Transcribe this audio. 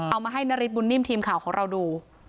เอามาให้นาริสบุญนิ่มทีมข่าวของเราดู